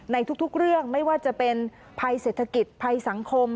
ในทุกเรื่องไม่ว่าจะเป็นภัยเศรษฐกิจภัยสังคม